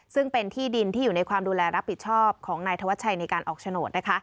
ซึ่งเป็นที่ดินที่อยู่ในความดูแลรับผิดชอบของนายธวัชชัยในการออกโฉนด